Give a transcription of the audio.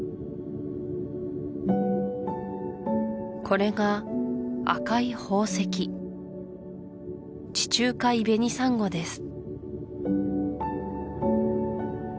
これが赤い宝石地中海ベニサンゴです